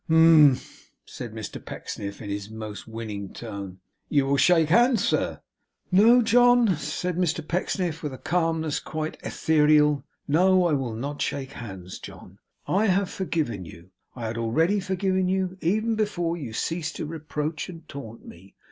'Umph!' said Mr Pecksniff, in his most winning tone. 'You will shake hands, sir.' 'No, John,' said Mr Pecksniff, with a calmness quite ethereal; 'no, I will not shake hands, John. I have forgiven you. I had already forgiven you, even before you ceased to reproach and taunt me.